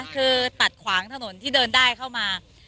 คือตัดขวางถนนที่เดินได้เข้ามา